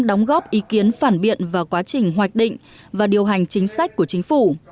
đóng góp ý kiến phản biện vào quá trình hoạch định và điều hành chính sách của chính phủ